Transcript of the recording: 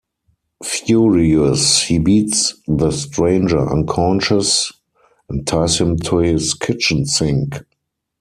Furious, he beats the stranger unconscious and ties him to his kitchen sink.